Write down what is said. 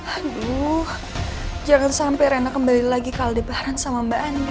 aduh jangan sampai rena kembali lagi ke aldebaran sama mbak andi